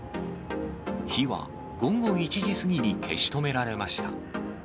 火は午後１時過ぎに消し止められました。